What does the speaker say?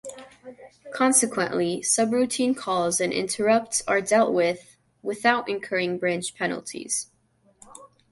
Consequently, subroutine calls and interrupts are dealt with without incurring branch penalties.